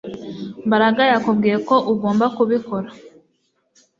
Mbaraga yakubwiye ko ugomba kubikora